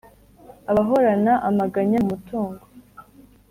abahorana amaganya mu mutungo